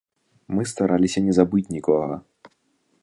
Мы стараліся не забыць нікога.